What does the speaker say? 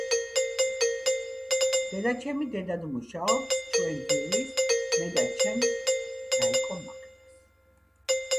დედაჩემი დედად მუშაობს, ჩვენ გვივლის, მე და ჩემს დაიკო მაგდას.